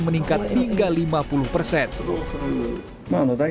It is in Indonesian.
pemerintah menurut peneliti